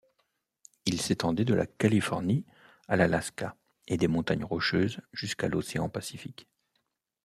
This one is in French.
Il s'étendait de la Californie à l'Alaska et des montagnes Rocheuses jusqu'à l'Océan Pacifique.